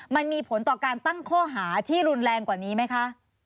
มันมีผลต่อการตั้งข้อหาที่รุนแรงกว่านี้ไหมคะ